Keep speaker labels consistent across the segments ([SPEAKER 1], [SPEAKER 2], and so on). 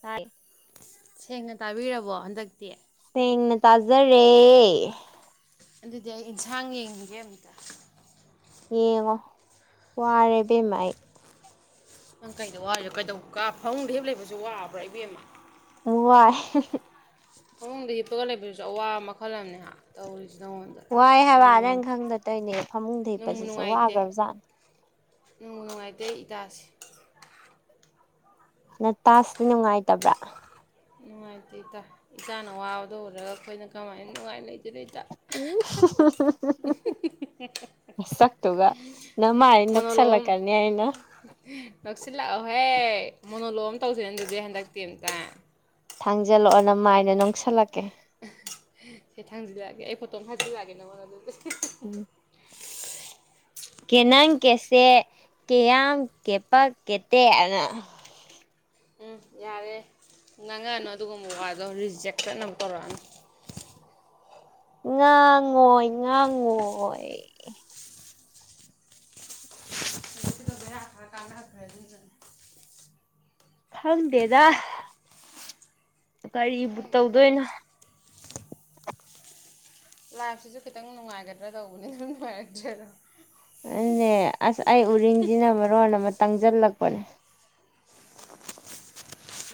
[SPEAKER 1] ꯇꯥꯏ
[SPEAKER 2] ꯁꯦꯡꯅ ꯇꯥꯕꯤꯔꯕꯣ ꯍꯟꯗꯛꯇꯤ
[SPEAKER 1] ꯁꯦꯡꯅ ꯇꯥꯖꯔꯦ
[SPEAKER 2] ꯑꯗꯨꯗꯤ ꯑꯩ ꯏꯟꯁꯥꯡ ꯌꯦꯡꯒꯤꯒꯦ ꯑꯃꯨꯛꯇ
[SPEAKER 1] ꯌꯦꯡꯉꯣ ꯋꯥꯔꯦ ꯏꯕꯦꯝꯃ ꯑꯩ
[SPEAKER 2] ꯅꯪ ꯀꯩꯗ ꯋꯥꯔꯤꯕ ꯀꯩꯗꯧ ꯀꯥ ꯐꯃꯨꯡꯗ ꯍꯤꯞꯄ ꯂꯩꯕꯁꯨ ꯋꯥꯕ꯭ꯔꯥ ꯏꯕꯦꯝꯃ
[SPEAKER 1] ꯋꯥꯏ
[SPEAKER 2] ꯐꯃꯨꯡꯗ ꯍꯤꯞꯄꯒ ꯂꯩꯕꯗꯨꯁꯨ ꯑꯋꯥꯕ ꯃꯈꯜ ꯑꯃꯅꯦ ꯍꯥ ꯇꯧꯔꯤꯁꯦ ꯅꯉꯣꯟꯗ
[SPEAKER 1] ꯋꯥꯏ ꯍꯥꯏꯕ
[SPEAKER 2] ꯅꯨꯡꯕꯨ
[SPEAKER 1] ꯅꯪ ꯈꯪꯗ ꯇꯣꯏꯅꯦ ꯐꯃꯨꯡꯗ
[SPEAKER 2] ꯅꯨꯡꯕꯨ
[SPEAKER 1] ꯍꯤꯞꯄꯁꯤꯁꯨ
[SPEAKER 2] ꯅꯨꯡꯉꯥꯏꯇꯦ
[SPEAKER 1] ꯋꯥꯈ꯭ꯔꯕꯖꯥꯠꯅꯤ
[SPEAKER 2] ꯅꯨꯡꯕꯨ ꯅꯨꯡꯉꯥꯏꯇꯦ ꯑꯩ ꯏꯇꯥꯁꯦ
[SPEAKER 1] ꯅꯇꯥꯁꯤ ꯅꯨꯡꯉꯥꯏꯇꯕ꯭ꯔꯥ
[SPEAKER 2] ꯅꯨꯡꯉꯥꯏꯇꯦ ꯏꯇꯥ ꯏꯇꯥꯅ ꯋꯥꯕꯗꯣ ꯎꯔꯒ ꯑꯩꯈꯣꯏꯅ ꯀꯃꯥꯏꯅ ꯅꯨꯡꯉꯥꯏꯅ ꯂꯩꯗꯣꯏꯅꯣ ꯏꯇꯥ
[SPEAKER 1] ꯅꯁꯛꯇꯨꯒ ꯅꯃꯥꯥꯏꯗ ꯅꯣꯛꯁꯜꯂꯛꯀꯅꯤ ꯅꯦ ꯑꯩꯅ
[SPEAKER 2] ꯅꯣꯛꯁꯜꯂꯛꯑꯣꯍꯦ ꯃꯣꯅꯣꯂꯣꯛ ꯑꯃ ꯇꯧꯁꯤꯅ ꯑꯗꯨꯗꯤ ꯍꯟꯗꯛꯇꯤ ꯑꯝꯇ
[SPEAKER 1] ꯊꯥꯡꯖꯜꯂꯛꯑꯣ ꯅꯃꯥꯏꯗꯣ ꯅꯣꯛꯁꯜꯂꯛꯀꯦ
[SPEAKER 2] ꯁꯦ ꯊꯥꯡꯖꯜꯂꯛꯑꯒꯦ ꯑꯩ ꯐꯣꯇꯣ ꯑꯃ ꯊꯥꯖꯤꯟꯂꯛꯑꯒꯦ ꯅꯪꯉꯣꯟꯗ ꯑꯗꯨꯗꯤ
[SPEAKER 1] ꯎꯝ ꯀꯦ ꯅꯪ ꯀꯦꯁꯦ ꯀꯦꯌꯥꯝ ꯀꯦꯄꯛ ꯀꯦꯇꯦ ꯍꯥꯏꯅ
[SPEAKER 2] ꯎꯝ ꯌꯥꯔꯦ ꯉꯥꯡꯉꯛꯑꯅꯨ ꯑꯗꯨꯒꯨꯝꯕ ꯋꯥꯗꯣ ꯔꯤꯖꯦꯛ ꯆꯠꯅꯕ ꯇꯧꯔꯛꯑꯅꯨ
[SPEAKER 1] ꯉꯥꯡꯉꯣꯏ ꯉꯥꯡꯉꯣꯏ
[SPEAKER 2] [inaudible]
[SPEAKER 1] ꯈꯪꯗꯦꯗ ꯀꯔꯤꯕꯨ
[SPEAKER 2] ꯈꯪꯗꯦ
[SPEAKER 1] ꯇꯧꯗꯣꯏꯅꯣ
[SPEAKER 2] ꯇꯧꯔꯤꯁꯦ ꯂꯥꯏꯐꯁꯤꯁꯨ ꯈꯤꯇꯪ ꯅꯨꯡꯉꯥꯏꯒꯗ꯭ꯔꯥ ꯇꯧꯕꯅꯤ ꯑꯗꯨꯝ ꯅꯨꯡꯉꯥꯏꯔꯛꯇ꯭ꯔꯦ ꯑꯗꯣ
[SPEAKER 1] ꯑꯗꯨꯅꯦ ꯑꯁ ꯑꯩ ꯎꯔꯤꯡꯖꯤꯅ ꯃꯔꯣꯟꯑꯃ ꯇꯪꯖꯜꯂꯛꯄꯅꯦ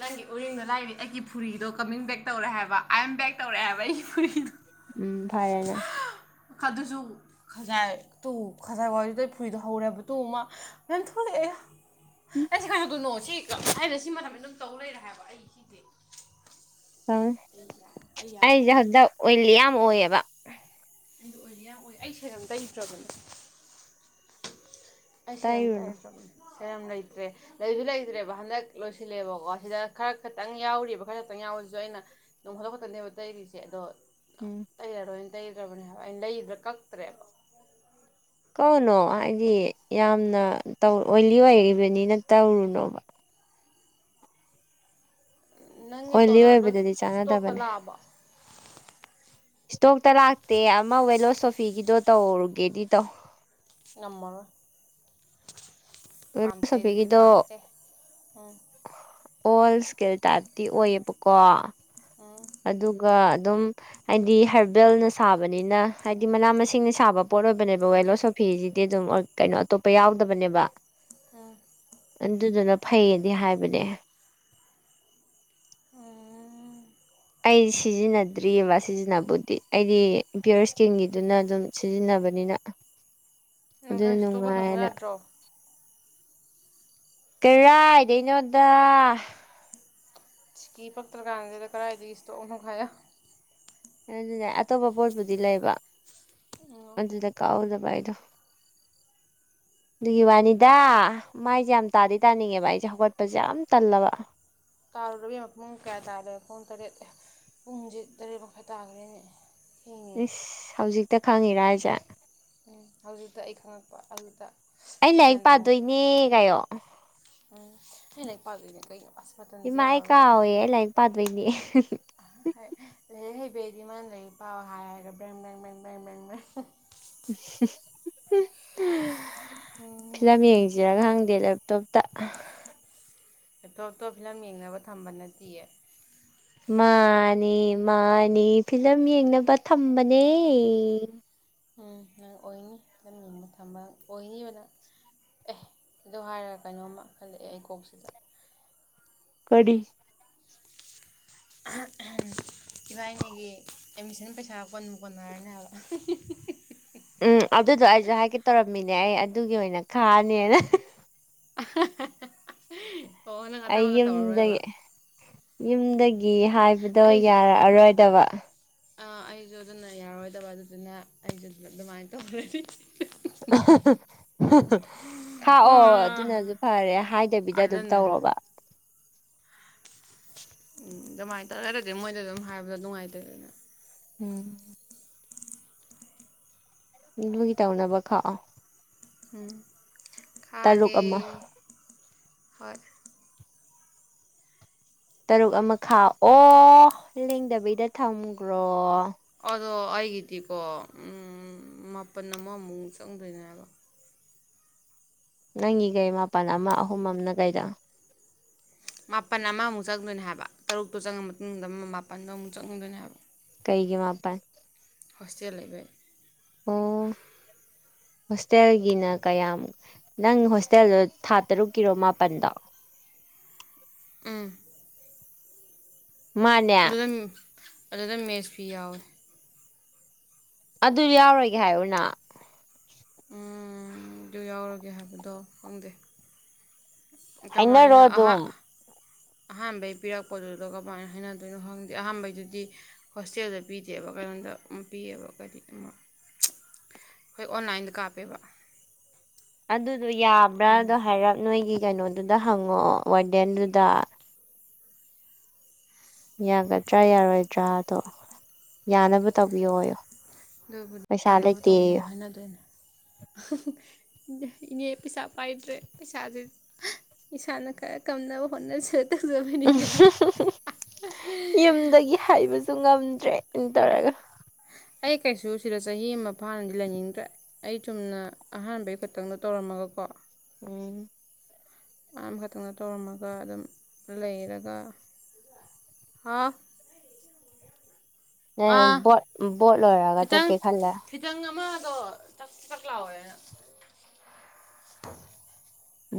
[SPEAKER 2] ꯅꯪꯒꯤ ꯎꯔꯤꯡꯗꯣ ꯂꯥꯏꯔꯤ ꯑꯩꯒꯤ ꯐꯨꯔꯤꯗꯣ ꯀꯃꯤꯡ ꯕꯦꯛ ꯇꯧꯔꯦ ꯍꯥꯏꯕ ꯑꯥꯏ ꯑꯦꯝ ꯕꯦꯛ ꯇꯧꯔꯛꯑꯦ ꯍꯥꯏꯕ ꯑꯩꯒꯤ ꯐꯨꯔꯤꯗꯣ
[SPEAKER 1] ꯎꯝ ꯐꯔꯦꯅ
[SPEAKER 2] ꯑ ꯑꯗꯨꯁꯨ ꯈꯖꯥꯏ ꯇꯨ ꯈꯖꯥꯏ ꯋꯥꯏꯗꯨꯗꯩ ꯐꯨꯔꯤꯗꯣ ꯍꯧꯔꯦꯕ ꯇꯨ ꯃꯥ ꯃꯌꯥꯝ ꯊꯣꯛꯂꯛꯑꯦ ꯑꯌꯥ
[SPEAKER 1] ꯎꯝ
[SPEAKER 2] ꯑꯩꯁꯦ ꯀꯥꯃꯥꯏꯇꯧꯗꯣꯏꯅꯣ ꯁꯤ ꯑꯩꯅ ꯁꯤ ꯃꯇꯝꯁꯤ ꯑꯗꯨꯝ ꯇꯧ ꯂꯩꯔꯦ ꯍꯥꯏꯕ ꯑꯩ ꯁꯤꯁꯦ
[SPEAKER 1] ꯑꯣ
[SPEAKER 2] ꯑꯩ ꯌꯥ ꯑꯩ ꯌꯥꯗꯦ
[SPEAKER 1] ꯑꯩꯁꯨ ꯍꯟꯗꯛ ꯑꯣꯏꯜꯂꯤ ꯌꯥꯝ ꯑꯣꯏꯌꯦꯕ
[SPEAKER 2] ꯑꯩꯁꯨ ꯑꯣꯏꯜꯂꯤ ꯌꯥꯝ ꯑꯣꯏ ꯑꯩ ꯁꯦꯔꯝ ꯇ꯭ꯩꯗꯔꯕꯅꯦ ꯑꯩ ꯁꯦꯔꯝ
[SPEAKER 1] ꯇꯩꯔꯨꯅꯨ
[SPEAKER 2] ꯇꯩꯗꯔꯕꯅꯦ ꯁꯦꯔꯝ ꯂꯩꯇ꯭ꯔꯦ ꯂꯩꯁꯨ ꯂꯩꯇ꯭ꯔꯦꯕ ꯍꯟꯗꯛ ꯂꯣꯏꯁꯤꯜꯂꯦꯕꯀꯣ ꯁꯤꯗ ꯈꯔ ꯈꯛꯇꯪ ꯌꯥꯎꯔꯤꯕ ꯈꯔ ꯈꯛꯇꯪ ꯌꯥꯎꯕꯁꯤꯁꯨ ꯑꯩꯅ ꯅꯣꯡꯐꯥꯗꯣꯛ ꯈꯛꯇꯅꯦꯕ ꯇꯩꯔꯤꯁꯦ ꯑꯗꯣ
[SPEAKER 1] ꯎꯝ
[SPEAKER 2] ꯇꯩꯔꯔꯣꯏꯅ ꯇꯩꯗ꯭ꯔꯕꯅꯦꯕ ꯑꯩ ꯂꯩꯗ꯭ꯔꯦ ꯀꯛꯇ꯭ꯔꯦꯕ
[SPEAKER 1] ꯀꯛꯎꯅꯣ ꯍꯥꯏꯗꯤ ꯌꯥꯝꯅ ꯇꯧ ꯑꯣꯏꯜꯂꯤ ꯑꯣꯏꯔꯤꯕꯅꯤꯅ ꯇꯧꯔꯨꯅꯣ
[SPEAKER 2] ꯅꯪꯒꯤ
[SPEAKER 1] ꯑꯣꯏꯂꯤ
[SPEAKER 2] ꯇꯣꯅꯔꯗꯣ
[SPEAKER 1] ꯑꯣꯏꯕꯗꯗꯤ
[SPEAKER 2] ꯏꯁꯇꯣꯛꯇ
[SPEAKER 1] ꯆꯥꯟꯅꯗꯕꯅꯦ
[SPEAKER 2] ꯂꯥꯛꯑꯕꯣ
[SPEAKER 1] ꯏꯁꯇꯣꯛꯇ ꯂꯥꯛꯇꯦ ꯑꯃ ꯋꯦꯂꯣꯁꯣꯐꯤꯒꯤꯗꯣ ꯇꯧꯒꯦꯗꯤ ꯇꯧ
[SPEAKER 2] ꯉꯝꯃꯔꯣꯏ
[SPEAKER 1] ꯋꯦꯂꯣ
[SPEAKER 2] ꯄꯥꯝꯇꯦ ꯑꯗꯨꯗꯤ
[SPEAKER 1] ꯁꯣꯐꯤꯒꯤꯗꯣ
[SPEAKER 2] ꯄꯥꯝꯇꯦ ꯎꯝ
[SPEAKER 1] ꯑꯣꯜ ꯏꯁꯀꯤꯜ ꯇꯥꯏꯞꯇꯤ ꯑꯣꯏꯌꯦꯕꯀꯣ
[SPEAKER 2] ꯑ
[SPEAKER 1] ꯑꯗꯨꯒ ꯑꯗꯨꯝ ꯍꯥꯏꯗꯤ ꯍꯔꯕꯦꯜꯅ ꯁꯥꯕꯅꯤꯅ ꯍꯥꯏꯗꯤ ꯃꯅꯥ ꯃꯁꯤꯡꯅ ꯁꯥꯕ ꯄꯣꯠ ꯑꯣꯏꯕꯅꯦꯕ ꯋꯦꯂꯣꯁꯣꯐꯤꯁꯤꯗꯤ ꯑꯗꯨꯝ ꯀꯩꯅꯣ ꯑꯇꯣꯞꯄ ꯌꯥꯎꯗꯕꯅꯦꯕ
[SPEAKER 2] ꯑ
[SPEAKER 1] ꯑꯗꯨꯗꯨꯅ ꯐꯩꯌꯦꯗꯤ ꯍꯥꯏꯕꯅꯦ
[SPEAKER 2] ꯎꯝ
[SPEAKER 1] ꯑꯩ ꯁꯤꯖꯤꯟꯅꯗ꯭ꯔꯤꯑꯕ ꯁꯤꯖꯤꯟꯅꯕꯨꯗꯤ ꯑꯩꯗꯤ ꯄꯤꯌꯣꯔ ꯏꯁꯀꯤꯟꯒꯤꯗꯨꯅ ꯑꯗꯨꯝ ꯁꯤꯖꯤꯟꯅꯕꯅꯤꯅ
[SPEAKER 2] ꯅꯪ
[SPEAKER 1] ꯑꯗꯨ
[SPEAKER 2] ꯈꯔ ꯏꯁꯇꯣꯛꯀ ꯊꯝꯃꯨ
[SPEAKER 1] ꯅꯨꯡꯉꯥꯏꯅ
[SPEAKER 2] ꯌꯥꯗ꯭ꯔꯣ
[SPEAKER 1] ꯀꯔꯥꯏꯗꯩꯅꯣꯗ
[SPEAKER 2] ꯁꯤꯛꯀꯤ ꯄꯛꯇ꯭ꯔꯀꯥꯟꯁꯤꯗ ꯀꯗꯥꯏꯗꯒꯤ ꯏꯁꯇꯣꯛꯅꯣ ꯍꯥꯏꯌꯣ
[SPEAKER 1] ꯑꯗꯨꯅꯦ ꯑꯇꯣꯞꯄ ꯄꯣꯠꯄꯨꯗꯤ ꯂꯩꯕ
[SPEAKER 2] ꯎꯝ
[SPEAKER 1] ꯑꯗꯨꯗ ꯀꯛꯍꯧꯗꯕ ꯑꯩꯗꯣ ꯑꯗꯨꯒꯤ ꯋꯥꯅꯤꯗ ꯃꯥꯏꯁꯦ ꯌꯥꯝ ꯇꯥꯗꯤ ꯇꯥꯅꯤꯡꯉꯦꯕ ꯑꯩꯁꯦ ꯍꯧꯒꯠꯄꯁꯦ ꯌꯥꯝ ꯇꯜꯂꯕ
[SPEAKER 2] ꯇꯥꯔꯨꯔꯣ ꯏꯕꯦꯝꯃ ꯄꯨꯡ ꯀꯌꯥ ꯇꯥꯔꯦ ꯄꯨꯡ ꯇꯔꯦꯠ ꯑꯦ ꯄꯨꯡꯖꯦ ꯇꯔꯦꯠ ꯃꯈꯥꯏ ꯇꯥꯈ꯭ꯔꯦꯅꯦ ꯊꯦꯡꯉꯦ
[SPEAKER 1] ꯏꯁ ꯍꯧꯖꯤꯛꯇ ꯈꯪꯉꯤꯔ ꯍꯥꯏꯁꯦ
[SPEAKER 2] ꯎꯝ ꯍꯧꯖꯤꯛꯇ ꯑꯩ ꯈꯪꯉꯛꯄ ꯑꯗꯨꯗ
[SPEAKER 1] ꯑꯩ ꯂꯥꯏꯔꯤꯛ ꯄꯥꯗꯣꯏꯅꯦ ꯀꯥꯏꯌꯣ
[SPEAKER 2] ꯥꯎꯝ ꯑꯩ ꯂꯥꯏꯔꯤꯛ ꯄꯥꯗꯣꯏꯅꯦ ꯀꯩꯅꯣ ꯑꯁ ꯃꯇꯝꯁꯦ
[SPEAKER 1] ꯏꯃꯥ ꯑꯩ
[SPEAKER 2] ꯌꯥꯔꯔꯣꯏ
[SPEAKER 1] ꯀꯥꯎꯋꯦ ꯑꯩ ꯂꯥꯏꯔꯤꯛ ꯄꯥꯗꯣꯏꯅꯦ
[SPEAKER 2] [unintelligible]
[SPEAKER 1] [unintelligible]
[SPEAKER 2] ꯎꯝ
[SPEAKER 1] ꯐꯤꯂꯝ ꯌꯦꯡꯖꯤꯔ ꯈꯪꯗꯦ ꯂꯦꯞꯇꯣꯞꯇ
[SPEAKER 2] ꯂꯦꯞꯇꯣꯞꯇꯣ ꯐꯤꯂꯝ ꯌꯦꯡꯅꯕ ꯊꯝꯕ ꯅꯠꯇꯤꯌꯦ
[SPEAKER 1] ꯃꯥꯅꯦ ꯃꯥꯅꯤ ꯐꯤꯂꯝ ꯌꯦꯡꯅꯕ ꯊꯝꯕꯅꯦ
[SPEAKER 2] ꯎꯝ ꯅꯪ ꯑꯣꯏꯅꯤ [unintelligible] ꯊꯝꯕ ꯑꯣꯏꯅꯤꯕ ꯅꯪ ꯑꯦ ꯑꯗꯨ ꯍꯥꯏꯔꯒ ꯀꯩꯅꯣꯝꯃ ꯈꯜꯂꯛꯑꯦ ꯑꯩ ꯀꯣꯛꯁꯤꯗ
[SPEAKER 1] ꯀꯔꯤ
[SPEAKER 2] ꯏꯕꯅꯤꯒꯤ ꯑꯦꯠꯃꯤꯁꯟ ꯄꯩꯁꯥ ꯀꯣꯟꯕꯨ ꯀꯣꯟꯅꯔꯅꯤ ꯍꯥꯏꯕ
[SPEAKER 1] ꯎꯝ ꯑꯗꯨꯗꯣ ꯑꯩꯖꯨ ꯍꯥꯏꯒꯦ ꯇꯧꯔꯝꯃꯤꯅꯦ ꯑꯩ ꯑꯗꯨꯒꯤ ꯑꯣꯏꯅ ꯈꯥꯑꯅꯦꯅ
[SPEAKER 2] ꯑꯣ ꯅꯪ
[SPEAKER 1] ꯑꯩ
[SPEAKER 2] [unintelligible] ꯇꯧꯔꯔꯣꯏꯕ
[SPEAKER 1] ꯌꯨꯝꯗꯒꯤ ꯌꯨꯝꯗꯒꯤ ꯍꯥꯏꯕꯗꯣ
[SPEAKER 2] ꯑꯩꯁꯨ
[SPEAKER 1] ꯌꯥꯔꯛꯑꯔꯣꯏꯗꯕ
[SPEAKER 2] ꯑꯥ ꯑꯩꯖꯨ ꯑꯗꯨꯅ ꯌꯥꯔꯣꯏꯗꯕ ꯑꯗꯨꯗꯨꯅ ꯑꯩꯖꯨ ꯑꯗꯨꯃꯥꯏ ꯇꯧꯔꯗꯤ
[SPEAKER 1] [unintelligible] ꯈꯥꯛꯑꯣ
[SPEAKER 2] ꯑꯣ
[SPEAKER 1] ꯑꯗꯨꯅꯖꯨ ꯐꯔꯦ ꯍꯥꯏꯗꯕꯤꯗ ꯑꯗꯨꯝ
[SPEAKER 2] ꯑꯗꯨꯅ
[SPEAKER 1] ꯇꯧꯔꯣꯕ
[SPEAKER 2] ꯎꯝ ꯑꯗꯨꯃꯥꯏꯅ [unintelligible] ꯃꯣꯏꯗ ꯑꯗꯨꯝ ꯍꯥꯏꯕꯗꯣ ꯅꯨꯡꯉꯥꯏꯇꯦꯗꯅ
[SPEAKER 1] ꯎꯝ ꯗꯨꯒꯤ ꯇꯧꯅꯕ ꯈꯥꯛꯑꯣ
[SPEAKER 2] ꯎꯝ
[SPEAKER 1] ꯇꯔꯨꯛ
[SPEAKER 2] ꯈꯥꯑꯒꯦ
[SPEAKER 1] ꯑꯃ
[SPEAKER 2] ꯍꯣꯏ
[SPEAKER 1] ꯇꯔꯨꯛ ꯑꯃ ꯈꯥꯛꯑꯣ ꯂꯦꯡꯗꯕꯤꯗ ꯊꯝꯒ꯭ꯔꯣ
[SPEAKER 2] ꯑꯗꯣ ꯑꯩꯒꯤꯗꯤꯀꯣ ꯎꯝ ꯃꯥꯄꯝ ꯑꯃꯃꯨꯛ ꯆꯪꯗꯣꯏꯅꯦ ꯍꯥꯏꯕ
[SPEAKER 1] ꯅꯪꯒꯤ ꯀꯩ ꯃꯥꯄꯜ ꯑꯃ ꯑꯍꯨꯝ ꯑꯃꯅ ꯀꯩꯗ
[SPEAKER 2] ꯃꯥꯄꯟ ꯑꯃꯃꯨꯛ ꯆꯪꯗꯣꯏꯅꯦ ꯍꯥꯏꯕ ꯇꯔꯨꯛꯇꯣ ꯆꯪꯉ ꯃꯇꯨꯡꯗ ꯃ ꯃꯥꯄꯟꯗꯣ ꯑꯃꯨꯛ ꯆꯪꯉꯗꯣꯏꯅꯦ ꯍꯥꯏꯕ
[SPEAKER 1] ꯀꯩꯒꯤ ꯃꯥꯥꯄꯟ
[SPEAKER 2] ꯍꯣꯁꯇꯦꯜ ꯂꯩꯕꯩ
[SPEAKER 1] ꯑꯣ ꯍꯣꯁꯇꯦꯜꯒꯤꯅ ꯀꯌꯥꯝ ꯅꯪ ꯍꯣꯁꯇꯦꯜꯗꯣ ꯊꯥ ꯇꯔꯨꯛꯀꯤꯔꯣ ꯃꯥꯄꯟꯗꯣ
[SPEAKER 2] ꯎꯝ
[SPEAKER 1] ꯃꯥꯅꯦ
[SPEAKER 2] [unintelligible] ꯑꯗꯨꯗ ꯃꯦꯖ ꯐꯤ ꯌꯥꯎꯋꯦ
[SPEAKER 1] ꯑꯗꯨ ꯌꯥꯎꯔꯣꯏꯒꯦ ꯍꯥꯏꯌꯣꯅ
[SPEAKER 2] ꯎꯝ ꯗꯨ ꯌꯥꯎꯔꯒꯦ ꯍꯥꯏꯕꯗꯣ ꯈꯪꯗꯦ
[SPEAKER 1] ꯍꯥꯏꯅꯔꯣ
[SPEAKER 2] ꯀꯃꯥꯏꯅ ꯑꯍꯥ
[SPEAKER 1] ꯑꯗꯨꯝ
[SPEAKER 2] ꯑꯍꯥꯟꯕꯩ ꯄꯤꯔꯛꯄꯗꯨꯗ ꯀꯃꯥꯏꯟꯅ ꯍꯥꯏꯅꯗꯣꯏꯅꯣ ꯈꯪꯗꯦ ꯑꯍꯥꯟꯕꯩꯗꯨꯗꯤ ꯍꯣꯁꯇꯦꯜꯗ ꯄꯤꯗꯦꯕ ꯀꯩꯅꯣꯝꯗ ꯎꯝ ꯄꯤꯌꯦꯕ ꯀꯔꯤ ꯑꯃ ꯈꯣꯏ ꯑꯣꯟꯂꯥꯏꯟꯗ ꯀꯥꯞꯄꯦꯕ
[SPEAKER 1] ꯑꯗꯨꯗꯣ
[SPEAKER 2] ꯎꯝ
[SPEAKER 1] ꯌꯥꯕ꯭ꯔꯥꯗꯣ ꯍꯥꯏꯔꯞ ꯅꯣꯏꯒꯤ ꯀꯩꯅꯣꯗꯨꯗ ꯍꯪꯉꯣ ꯋꯥꯔꯗꯦꯟꯗꯨꯗ ꯌꯥꯒꯗ꯭ꯔꯥ ꯌꯥꯔꯣꯏꯗ꯭ꯔꯥꯗꯣ ꯌꯥꯅꯕ ꯇꯧꯕꯤꯌꯣꯌꯨ
[SPEAKER 2] ꯑꯗꯨꯕꯨꯗꯤ ꯌꯥꯅꯕ ꯇꯧꯅꯕ ꯍꯥꯏꯅꯗꯣꯏꯅꯦ ꯈꯪꯗꯦ ꯏꯅꯦ ꯄꯩꯁꯥ ꯄꯥꯏꯗ꯭ꯔꯦ ꯄꯩꯁꯥꯖꯦ ꯏꯁꯥꯅ ꯈꯔ ꯀꯝꯅꯕ ꯍꯣꯠꯅꯁ‌ꯦꯠ ꯇꯧꯗꯕꯩꯅꯤꯀꯥꯏ
[SPEAKER 1] ꯍꯥꯏꯕꯖꯨ ꯉꯝꯗ꯭ꯔꯦ ꯑꯗꯨꯝ ꯇꯧꯔꯒ
[SPEAKER 2] ꯑꯩ ꯀꯩꯁꯨ ꯁꯤꯗ ꯆꯍꯤ ꯑꯃ ꯐꯥꯅꯗꯤ ꯂꯩꯅꯤꯡꯗ꯭ꯔꯦ ꯑꯩ ꯆꯨꯝꯅ ꯑꯍꯥꯟꯕꯩ ꯈꯛꯇꯪꯗꯣ ꯇꯧꯔꯝꯃꯒꯀꯣ
[SPEAKER 1] ꯎꯝ
[SPEAKER 2] ꯑꯝꯃꯈꯛꯇꯪꯅ ꯇꯧꯔꯝꯃꯒ ꯑꯗꯨꯝ ꯂꯩꯔꯒ ꯍꯥꯥꯎ
[SPEAKER 1] ꯅ‌ꯦꯝ
[SPEAKER 2] ꯑꯥ
[SPEAKER 1] ꯕꫭꯠ ꯕꫭꯠ ꯂꫭꯏꯔꯒ
[SPEAKER 2] ꯈꯤꯇꯪ
[SPEAKER 1] ꯆꯠꯀꯦ ꯈꯜꯂꯦ
[SPEAKER 2] ꯈꯤꯇꯪ ꯑꯃꯗꯣ ꯆꯛ ꯆꯛ ꯂꯥꯎꯋꯦꯅ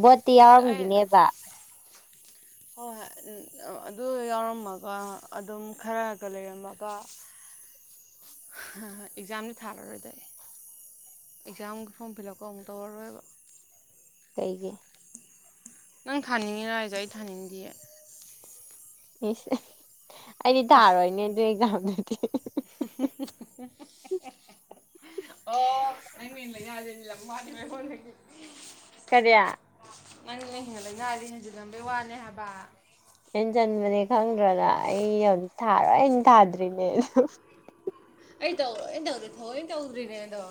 [SPEAKER 1] ꯕꯣꯠꯇꯤ
[SPEAKER 2] ꯑꯗꯨ ꯑꯩ
[SPEAKER 1] ꯌꯥꯎꯔꯝꯈꯤꯅꯦꯕ [inaudible]
[SPEAKER 2] ꯍꯣꯏ ꯑꯗꯨ ꯌꯥꯎꯔꯝꯃꯒ ꯑꯗꯨꯝ ꯈꯔꯒ ꯂꯩꯔꯝꯃꯒ
[SPEAKER 1] [inaudible]
[SPEAKER 2] ꯑꯦꯛꯖꯥꯝꯗꯤ ꯊꯥꯔꯔꯣꯏꯗ ꯑꯩ꯫ ꯑꯦꯛꯖꯥꯝꯒ ꯐꯣꯔꯝ ꯐꯤꯂꯕꯀ ꯑꯃꯨꯛꯀ ꯇꯧꯔꯔꯣꯏꯕ꯫
[SPEAKER 1] ꯀꯩꯒꯤ꯫
[SPEAKER 2] ꯅꯪ ꯊꯥꯅꯤꯡꯉꯤꯔꯣ ꯍꯥꯏꯖꯦ ꯑꯩ ꯊꯥꯅꯤꯡꯗꯤꯌꯦ꯫
[SPEAKER 1] ꯏꯁ ꯑꯩꯗꯤ ꯊꯥꯔꯣꯏꯅꯦ ꯑꯗꯨꯏ ꯑꯦꯛꯖꯥꯝꯗꯨꯗꯤ꯫
[SPEAKER 2] [unintelligible] ꯑꯣ ꯅꯪ [unintelligible] ꯃꯤꯉꯣꯟꯗꯒꯤ꯫
[SPEAKER 1] ꯀꯔꯤꯌꯥ
[SPEAKER 2] ꯅꯪꯅ ꯍꯦꯟꯅꯂꯩꯅꯥꯗꯤ ꯍꯟꯖꯜꯂꯝꯕꯩ ꯋꯥꯅꯦ ꯍꯥꯏꯕ꯫
[SPEAKER 1] ꯍꯦꯟꯖꯟꯕꯅꯦ ꯈꯪꯗ꯭ꯔꯣ ꯅꯪ ꯑꯩ ꯍꯧꯖꯤꯛ ꯊꯥꯔꯣꯏꯅ ꯊꯥꯗ꯭ꯔꯤꯅꯦ꯫
[SPEAKER 2] ꯑꯩ ꯇꯧꯔꯣꯏꯅ ꯇꯧꯗꯔꯤꯅꯦ ꯊꯑꯣꯏ ꯇꯧꯗꯔꯤꯅꯦꯗꯣ꯫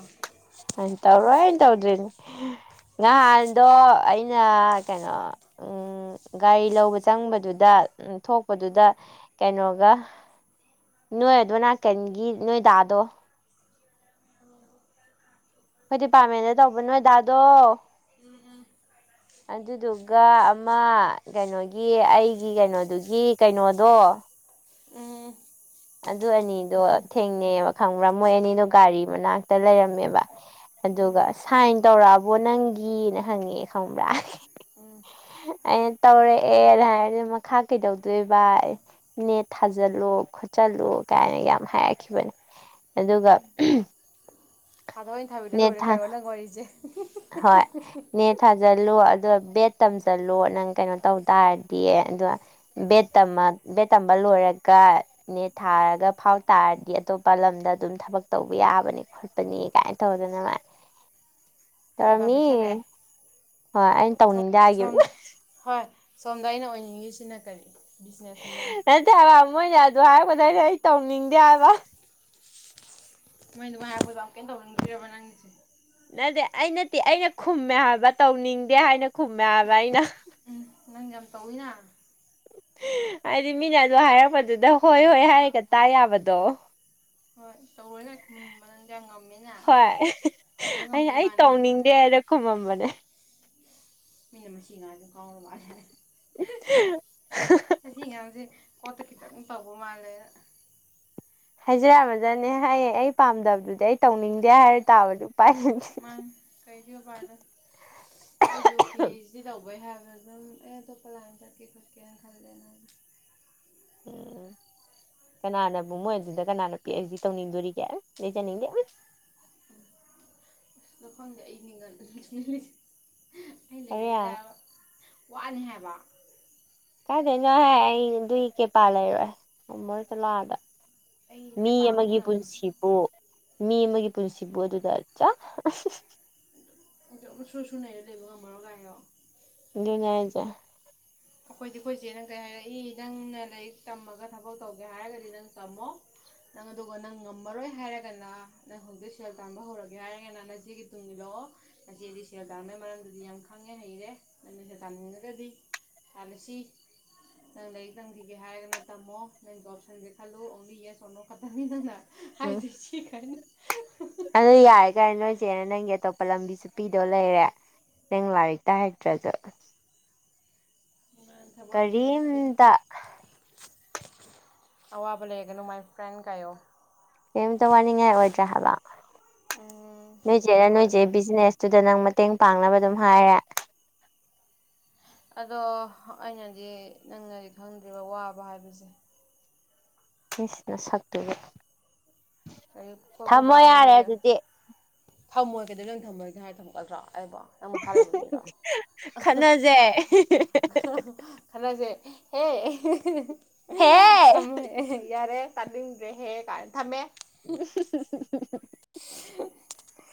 [SPEAKER 1] ꯑꯩꯅ ꯇꯧꯔꯣꯏꯅ ꯇꯧꯗ꯭ꯔꯤꯅꯤ꯫ ꯉꯍꯥꯟꯗꯣ ꯑꯩꯅ ꯀꯩꯅꯣ ꯎꯝ꯫ ꯎꯝ ꯒꯥꯔꯤ ꯂꯧꯕ ꯆꯪꯕꯗꯨꯗ ꯊꯣꯛꯄꯗꯨꯗ ꯀꯩꯅꯣꯒ ꯅꯣꯏ ꯑꯗꯣꯟ ꯅꯥꯀꯟꯒꯤ ꯅꯣꯏꯗꯥꯗꯣ꯫ ꯑꯩꯈꯣꯏ ꯗꯤꯄꯥꯔꯠꯃꯦꯟꯗ ꯇꯧꯕ ꯅꯣꯏ ꯗꯥꯗꯣ꯫
[SPEAKER 2] ꯎꯝ ꯎꯝ꯫
[SPEAKER 1] ꯑꯟ ꯑꯗꯨꯗꯨꯒ ꯑꯃ ꯀꯩꯅꯣꯒꯤ ꯑꯩꯒꯤ ꯀꯩꯅꯣꯗꯨꯒꯤ ꯀꯩꯅꯣꯗꯣ꯫
[SPEAKER 2] ꯎꯝ
[SPEAKER 1] ꯑꯗꯨ ꯑꯅꯤꯗꯣ ꯊꯦꯡꯅꯩꯑꯕ ꯈꯪꯕ꯭ꯔꯥ ꯃꯣꯏ ꯑꯅꯤꯗꯣ ꯒꯥꯔꯤ ꯃꯅꯥꯛꯇ ꯂꯩꯔꯝꯃꯦꯕ꯫ ꯑꯗꯨꯒ ꯁꯥꯏꯟ ꯇꯧꯔꯛꯑꯕꯣ ꯅꯪꯒꯤꯅ ꯍꯪꯉꯛꯑꯦ ꯈꯪꯕ꯭ꯔꯥ꯫
[SPEAKER 2] ꯎꯝ꯫
[SPEAKER 1] ꯑꯩꯅ ꯇꯧꯔꯛꯑꯦꯅ ꯍꯥꯏꯔꯦ ꯃꯈꯥ ꯀꯩꯗꯧꯗꯣꯏ ꯕ ꯑꯌꯦ꯫ ꯅꯦꯠ ꯊꯥꯖꯤꯜꯂꯨ ꯈꯣꯠꯆꯤꯜꯂꯣ ꯀꯥꯏꯅ ꯌꯥꯝ ꯍꯥꯏꯔꯛꯈꯤꯕꯅꯦ ꯑꯗꯨꯒ
[SPEAKER 2] ꯊꯥꯗꯧ ꯑꯩꯅ ꯊꯥꯕꯤꯗ꯭ꯔ
[SPEAKER 1] ꯅꯦꯠ
[SPEAKER 2] ꯂꯣꯏꯔꯦ
[SPEAKER 1] ꯊꯥ
[SPEAKER 2] ꯀꯥꯏꯌꯣ ꯅꯪ ꯋꯥꯔꯤꯖꯦ꯫
[SPEAKER 1] ꯍꯣꯏ ꯅꯦꯠ ꯊꯥꯖꯤꯜꯂꯨ ꯑꯗꯣ ꯕꯦꯗ ꯇꯝꯖꯜꯂꯣ ꯅꯪ ꯀꯩꯅꯣ ꯇꯧ ꯇꯥꯔꯗꯤ ꯑꯗꯣ ꯕꯦꯠ ꯇꯝꯃ ꯕꯦꯠ ꯇꯝꯕ ꯂꯣꯏꯔꯒ ꯅꯦꯠ ꯊꯥꯔꯒ ꯐꯥꯎ ꯇꯥꯔꯗꯤ ꯑꯇꯣꯞꯄ ꯂꯝꯗ ꯑꯗꯨꯝ ꯊꯕꯛ ꯇꯧꯕ ꯌꯥꯕꯅꯤ꯫ ꯈꯣꯠꯄꯅꯤ ꯒꯥꯏꯅ ꯇꯧꯗꯅ ꯃꯥꯥ
[SPEAKER 2] ꯑꯦꯗꯚꯥꯟꯁ ꯄꯤꯊꯔꯛꯑꯦ
[SPEAKER 1] [unintelligible] ꯍꯣꯏ ꯑꯩꯅ
[SPEAKER 2] ꯁꯣꯝ
[SPEAKER 1] ꯇꯧꯅꯤꯡꯗꯦ
[SPEAKER 2] ꯁꯣꯝ
[SPEAKER 1] ꯍꯥꯏꯒꯤꯕꯅꯤ꯫
[SPEAKER 2] ꯍꯣꯏ ꯁꯣꯝꯗ ꯑꯩꯅ ꯑꯣꯏꯅꯤꯡꯉꯤꯁꯤꯅ ꯀꯔꯤ ꯕꯤꯖꯤꯅꯦꯁꯃꯦꯟ꯫
[SPEAKER 1] ꯅꯠꯇꯦ ꯍꯥꯏꯕ ꯃꯣꯏꯅ ꯑꯗꯨ ꯍꯥꯏꯔꯛꯄꯗ ꯑꯩꯅ ꯑꯩ ꯇꯧꯅꯤꯡꯗꯦ ꯍꯥꯏꯕ꯫
[SPEAKER 2] ꯃꯣꯏ ꯑꯗꯨꯃꯥꯏ ꯍꯥꯏꯔꯛꯄꯗꯨꯗ ꯑꯃꯨꯛꯀ ꯍꯦꯟꯅ ꯇꯧꯅꯤꯡꯗꯔꯤꯔꯕ ꯅꯪꯒꯤꯖꯦ꯫
[SPEAKER 1] ꯅꯠꯇꯦ ꯑꯩꯅꯠꯇꯦ ꯑꯩꯅ ꯈꯨꯝꯃꯦ ꯍꯥꯏꯕ ꯇꯧꯅꯤꯡꯗꯦ ꯍꯥꯏꯅ ꯈꯨꯝꯃꯦ ꯍꯥꯏꯕ ꯑꯩꯅ꯫
[SPEAKER 2] ꯎꯝ ꯅꯪ ꯌꯥꯝ ꯇꯧꯋꯤꯅ꯫
[SPEAKER 1] ꯍꯥꯏꯗꯤ ꯃꯤꯅ ꯑꯗꯨ ꯍꯥꯏꯔꯛꯄꯗꯨꯗ ꯍꯣꯏ ꯍꯣꯏ ꯍꯥꯏꯔꯒ ꯇꯥ ꯌꯥꯕꯗꯣ꯫
[SPEAKER 2] ꯍꯣꯏ ꯇꯧꯔꯣꯏꯅꯦ [unintelligible] ꯅꯪꯗꯤ ꯌꯥꯝ ꯉꯝꯃꯤꯅ
[SPEAKER 1] ꯍꯣꯏ
[SPEAKER 2] ꯇꯧꯕ ꯉꯝꯕ ꯏꯃꯥꯟꯅꯕꯣꯅꯤꯅ꯫
[SPEAKER 1] ꯍꯨꯝꯃꯝꯕꯅꯦ꯫
[SPEAKER 2] ꯃꯤꯅ ꯃꯁꯤ ꯑꯉꯥꯡꯖꯦ ꯉꯥꯎꯔ ꯃꯥꯜꯂꯦ [unintelligible]
[SPEAKER 1] [unintelligible]
[SPEAKER 2] ꯃꯁꯤ ꯑꯉꯥꯡꯖꯦ ꯀꯣꯛꯇ ꯈꯤꯇꯪ ꯇꯧꯕ ꯃꯥꯜꯂꯦꯅ꯫
[SPEAKER 1] ꯍꯥꯏꯖꯔꯝꯃꯖꯅꯦ ꯍꯥꯏꯌꯦ ꯑꯩ ꯄꯥꯝꯗꯕꯗꯨꯗꯤ ꯑꯩ ꯇꯧꯅꯤꯡꯗꯦ ꯍꯥꯏꯔ ꯇꯥꯕꯗꯨ ꯎꯄꯥꯏ ꯫
[SPEAKER 2] ꯃꯥꯅꯤ ꯀꯩꯗꯤ ꯎꯄꯥꯏ ꯂꯩ꯫ ꯑꯩꯖꯨ ꯄꯤ ꯑꯩꯁ ꯗꯤ ꯇꯧꯕꯩ ꯍꯥꯏꯕꯗ ꯑꯗꯨꯝ ꯑꯩ ꯑꯇꯣꯞꯄ ꯂꯥꯏꯟ ꯆꯠꯀꯦ ꯈꫭꯠ꯫ ꯆꯠꯀꯦꯅ ꯈꯜꯂꯦꯅ
[SPEAKER 1] ꯎꯝ ꯀꯅꯥꯅꯕꯨ ꯃꯣꯏ ꯑꯗꯨꯗ ꯀꯅꯥꯅ ꯄꯤ ꯑꯩꯁ ꯗꯤ ꯇꯧꯅꯤꯡꯗꯣꯔꯤꯒꯦ ꯂꯩꯖꯅꯤꯡꯗꯦ ꯎꯝ꯫
[SPEAKER 2] ꯑꯗꯨ ꯈꯪꯗꯦ [unintelligible] ꯑꯩ ꯂꯩꯅꯤꯡꯗꯦ
[SPEAKER 1] ꯍꯥꯏꯔꯦ
[SPEAKER 2] ꯍꯥꯏꯕ꯫ ꯋꯥꯅꯤ ꯍꯥꯏꯕ
[SPEAKER 1] ꯀꯥꯏꯗꯩꯅꯣꯍꯦ ꯑꯩ ꯑꯗꯨꯏ ꯀꯦꯄꯥ ꯂꯩꯔꯣꯏ ꯉꯝꯃꯔꯣꯏ ꯆꯠꯂꯣ ꯑꯥꯗ꯫
[SPEAKER 2] ꯑꯩ
[SPEAKER 1] ꯃꯤ
[SPEAKER 2] ꯀꯦꯄꯥꯕꯨ
[SPEAKER 1] ꯑꯃꯒꯤ
[SPEAKER 2] ꯉꯝ
[SPEAKER 1] ꯄꯨꯟꯁꯤ ꯕꯨ ꯃꯤ ꯑꯃꯒꯤ ꯄꯨꯟꯁꯤꯕꯨ ꯑꯗꯨꯗ ꯑꯠꯆꯥ
[SPEAKER 2] ꯑꯗꯨꯝ ꯁ꯭ꯔꯨ ꯁ꯭ꯔꯨ ꯅꯥꯏꯔ ꯂꯩꯕ ꯉꯥꯝꯃꯔꯣ ꯀꯍꯥꯏꯌꫭ꯫
[SPEAKER 1] ꯗꯨꯅꯦ ꯍꯥꯏꯖꯦ
[SPEAKER 2] ꯑꯈꯣꯏꯗꯤ ꯑꯈꯣꯏ ꯆꯦꯅ ꯀꯔꯤ ꯍꯥꯏꯔꯛꯏ ꯅꯪꯅ ꯂꯥꯏꯔꯤꯛ ꯇꯝꯃꯒ ꯊꯕꯛ ꯇꯧꯒꯦ ꯍꯥꯏꯔꯒꯗꯤ ꯅꯪ ꯇꯥꯝꯃꯣ꯫ ꯅꯪ ꯑꯗꯨꯒ ꯅꯪ ꯉꯝꯃꯔꯣꯏ ꯍꯥꯏꯔꯒꯅ ꯅꯪ ꯍꯧꯖꯤꯛ ꯁꯦꯜ ꯇꯥꯟꯕ ꯍꯧꯔꯒꯦ ꯍꯥꯏꯔꯒꯅ ꯅꯆꯦꯒꯤ ꯇꯨꯡ ꯏꯜꯂꯛꯑꯣ꯫ ꯅꯆꯦꯗꯤ ꯁꯦꯜ ꯇꯥꯟꯕꯩ ꯃꯔꯝꯗꯗꯤ ꯌꯥꯝ ꯈꯪꯉꯦ ꯍꯩꯔꯦ ꯅꯪꯅ ꯁꯦꯜ ꯇꯥꯟꯅꯤꯡꯉꯒꯗꯤ ꯇꯥꯜꯂꯁꯤ ꯅꯪ ꯂꯥꯏꯔꯤꯛ ꯇꯝꯒꯤꯒꯦ ꯍꯥꯏꯔꯒꯅ ꯇꯝꯃꯣ ꯅꯪ ꯖꯣꯞꯁꯔꯕꯤꯁ ꯈꯜꯂꯨ ꯑꯣꯡꯂꯤ ꯌꯦꯁ ꯑꯣꯔ ꯅꯣ ꯈꯛꯇꯅꯤ ꯅꯪꯅ
[SPEAKER 1] ꯎꯝ
[SPEAKER 2] ꯍꯥꯏꯗꯨꯏꯁꯤꯀꯥꯏꯅ
[SPEAKER 1] ꯑꯗꯨ ꯌꯥꯔꯦ ꯀꯩꯅꯣ ꯅꯣꯏ ꯆꯦꯅ ꯅꯪꯒꯤ ꯑꯇꯣꯞꯄ ꯂꯝꯕꯤꯁꯨ ꯄꯤꯗꯧ ꯂꯩꯔꯦ꯫ ꯅꯪ ꯂꯥꯏꯔꯤꯛꯇ ꯍꯩꯇ꯭ꯔꯖꯨ
[SPEAKER 2] ꯅꯪ ꯊꯕꯛ ꯉꯁꯤꯅꯤ
[SPEAKER 1] ꯀꯔꯤꯝꯇ
[SPEAKER 2] ꯑꯋꯥꯕ ꯂꯩꯔꯒꯅꯨ ꯃꯥꯏ ꯐ꯭ꯔꯦꯟ ꯀꯥꯏꯌꯣ꯫
[SPEAKER 1] ꯀꯩꯝꯇ ꯋꯥꯅꯤꯡꯉꯥꯏ ꯑꯣꯏꯗ꯭ꯔꯦ ꯍꯥꯏꯕꯥ
[SPEAKER 2] ꯎꯝ
[SPEAKER 1] ꯅꯣꯏꯆꯦꯅ
[SPEAKER 2] ꯍꯣꯏ
[SPEAKER 1] ꯅꯣꯏꯆꯦ ꯕꯤꯖꯤꯅꯦꯁꯇꯨꯗ ꯅꯪ ꯃꯇꯦꯡ ꯄꯥꯡꯅꯕ ꯑꯗꯨꯝ ꯍꯥꯏꯔꯦ꯫
[SPEAKER 2] ꯑꯗꯣ ꯑꯩꯅꯗꯤ ꯅꯪꯅꯗꯤ ꯈꯪꯗ꯭ꯔꯤꯕ ꯋꯥꯕ ꯍꯥꯏꯕꯁꯦ
[SPEAKER 1] ꯏꯁ ꯅꯁꯥꯛꯇꯨꯒ
[SPEAKER 2] ꯀꯔꯤ
[SPEAKER 1] ꯊꯥꯝꯃꯣ ꯌꯥꯔꯦ ꯑꯗꯨꯗꯤ
[SPEAKER 2] ꯊꯥꯝꯃꯣꯏ ꯀꯩꯗꯧ ꯅꯪ ꯊꯝꯃꯣ ꯍꯦꯛꯇ ꯍꯥꯏꯔꯅ ꯊꯝꯒꯗ꯭ꯔꯣ ꯑꯩꯕꯣ ꯅꯪ ꯃꯈꯥ ꯂꯩꯕ ꯃꯤꯔꯣ ꯑ ꯍ꯫
[SPEAKER 1] ꯑꯦ [unintelligible]
[SPEAKER 2] ꯈ ꯍ ꯈꯟꯅꯖꯦ ꯍꯦ
[SPEAKER 1] ꯍꯦ
[SPEAKER 2] ꯑꯦꯍꯦꯍꯦꯍꯦ ꯊꯝꯃꯣ ꯍꯦ ꯍꯦ ꯌꯥꯔꯦ꯫ ꯇꯥꯅꯤꯡꯗ꯭ꯔꯦꯍꯦ ꯀꯥꯏꯅ ꯊꯥꯝꯃꯦ
[SPEAKER 1] [unintelligible]
[SPEAKER 2] [unintelligible]